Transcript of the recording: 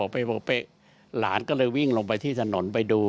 หลานก็เลยวิ่งลงไปที่ถนนไปดู